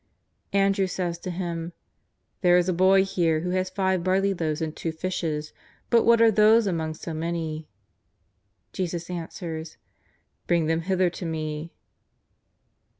Andrew says to Him :" There is a boy here who has ^ye barley loaves and two fishes, but what are these among so many ?" Jesus answers :^' Bring them hither to Me."